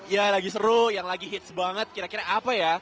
ya lagi seru yang lagi hits banget kira kira apa ya